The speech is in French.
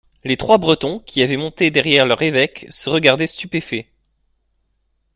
Les trois Bretons, qui avaient monté derrière leur évêque, se regardaient stupéfaits.